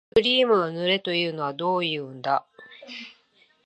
クリームを塗れというのはどういうんだ